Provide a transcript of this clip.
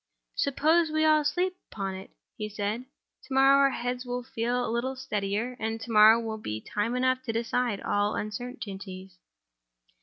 "Suppose we all sleep upon it?" he said. "Tomorrow our heads will feel a little steadier; and to morrow will be time enough to decide all uncertainties."